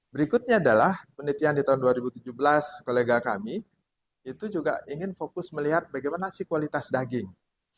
berikutnya adalah penelitian di tahun dua ribu tujuh belas kolega kami itu juga ingin fokus melihat bagaimana sih kualitas daging